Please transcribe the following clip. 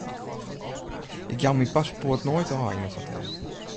Ik jou myn paspoart noait ôf yn in hotel.